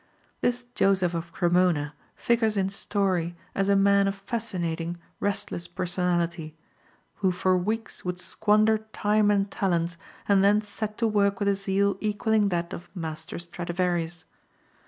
This Joseph of Cremona figures in story as a man of fascinating, restless personality, who for weeks would squander time and talents and then set to work with a zeal equalling that of Master Stradivarius.